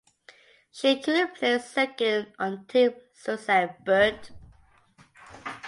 She currently plays second on Team Suzanne Birt.